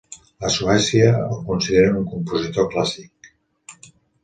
Ha Suècia el consideren un compositor clàssic.